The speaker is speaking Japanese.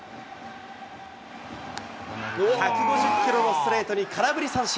１５０キロのストレートに空振り三振。